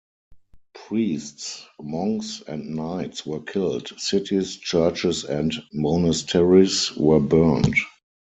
Priests, monks and knights were killed; cities, churches and monasteries were burned.